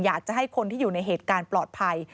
อยากจะให้คนที่อยู่ในเหตุการณ์ปลอดภัย